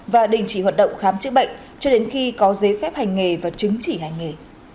và đình chỉ hoạt động khám chữa bệnh cho đến khi có giấy phép hành nghề và chứng chỉ hành nghề